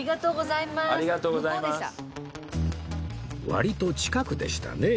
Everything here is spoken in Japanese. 割と近くでしたね